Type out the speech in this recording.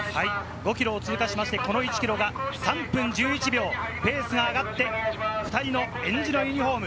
５ｋｍを通過しまして、この１ｋｍが３分１１秒、ペースが上がって、２人のえんじのユニホーム。